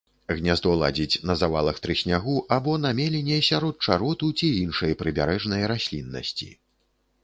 Гняздо ладзіць на завалах трыснягу або на меліне сярод чароту ці іншай прыбярэжнай расліннасці.